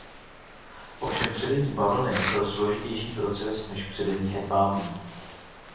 Ovšem předení bavlny byl složitější proces než předení hedvábí.